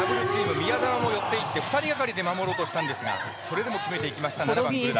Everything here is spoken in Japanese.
宮澤も寄って行って２人がかりで守ろうとしてたんですがそれでも決めていきましたグルダ。